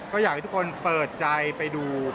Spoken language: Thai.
ก็อยากให้ทุกคนเปิดใจไปดู